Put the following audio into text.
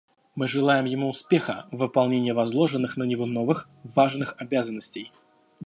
Мы желаем ему успеха в выполнении возложенных на него новых, важных обязанностей.